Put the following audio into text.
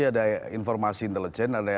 ada informasi intelijen ada